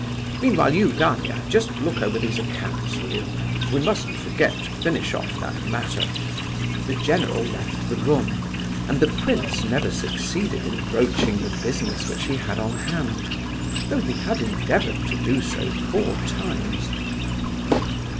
Meanwhile you, Gania, just look over these accounts, will you? We mustn't forget to finish off that matter—" The general left the room, and the prince never succeeded in broaching the business which he had on hand, though he had endeavoured to do so four times.